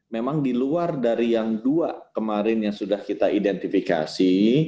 memang di luar dari yang dua kemarin yang sudah kita identifikasi